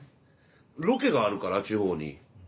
ロケがあるから地方に。